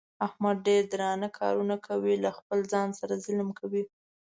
احمد ډېر درانه کارونه کوي. له خپل ځان سره ظلم کوي.